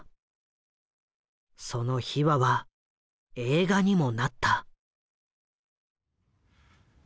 その秘話は映画にもなった。